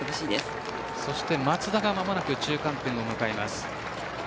松田が間もなく中間点を迎えます。